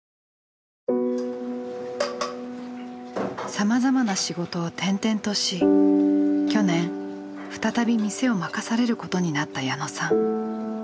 さまざまな仕事を転々とし去年再び店を任されることになった矢野さん。